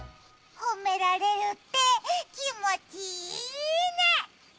ほめられるって気持ちいいね。